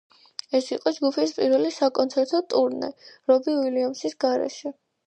ეს იყო ჯგუფის პირველი საკონცერტო ტურნე რობი უილიამსის გარეშე.